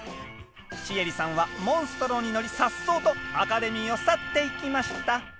シエリさんはモンストロに乗りさっそうとアカデミーを去っていきました！